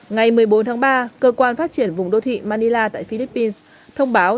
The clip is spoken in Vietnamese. ngày một mươi bốn tháng ba cơ quan phát triển vùng đô thị manila tại philippines thông báo